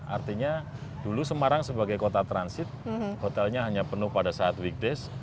artinya dulu semarang sebagai kota transit hotelnya hanya penuh pada saat weekdays